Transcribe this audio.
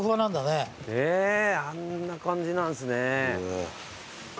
ねぇあんな感じなんですね。